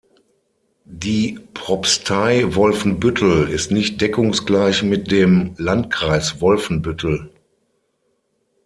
Die Propstei Wolfenbüttel ist nicht deckungsgleich mit dem Landkreis Wolfenbüttel.